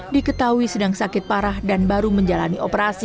diketahui sedang sakit parah dan baru menjalani operasi